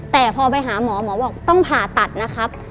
แต่พอไปหาหมอหมอบอกต้องผ่าตัดนะครับ